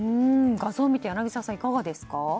画像を見て柳澤さん、いかがですか？